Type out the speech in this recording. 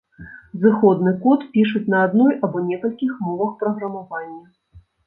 Зыходны код пішуць на адной або некалькіх мовах праграмавання.